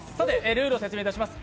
ルールを説明いたします。